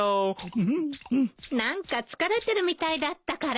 何か疲れてるみたいだったから。